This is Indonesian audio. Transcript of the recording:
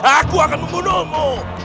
aku akan membunuhmu